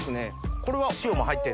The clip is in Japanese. これは塩もう入ってる？